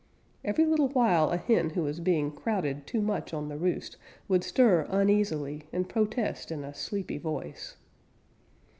Every little while a hen who was being crowded too much on the roost would stir uneasily and protest in a sleepy voice.